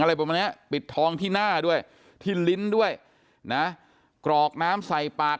ประมาณเนี้ยปิดทองที่หน้าด้วยที่ลิ้นด้วยนะกรอกน้ำใส่ปาก